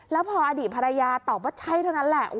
แล้วพออดีตภรรยาตอบว่าใช่เท่านั้นแหละ